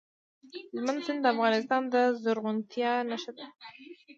هلمند سیند د افغانستان د زرغونتیا نښه ده.